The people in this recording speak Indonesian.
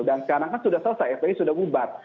dan sekarang kan sudah selesai fpi sudah bubar